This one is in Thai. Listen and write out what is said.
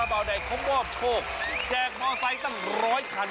แล้วก็แจกมาแล้วตั้ง๑๐๐คัน